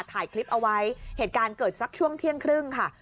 ถ่ายคลิปเอาไว้เหตุการณ์เกิดสักช่วงเที่ยงครึ่งค่ะ